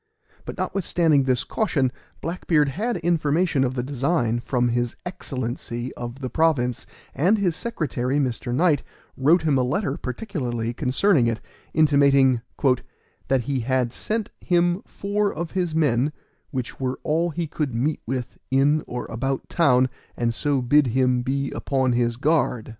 But notwithstanding this caution, Black beard had information of the design from his Excellency of the province; and his secretary, Mr. Knight, wrote him a letter particularly concerning it, intimating "that he had sent him four of his men, which were all he could meet with in or about town, and so bid him be upon his guard."